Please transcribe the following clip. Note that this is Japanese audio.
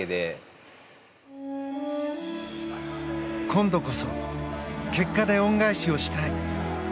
今度こそ結果で恩返しをしたい。